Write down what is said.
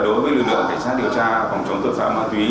đối với lực lượng cảnh sát điều tra phòng chống tội phạm ma túy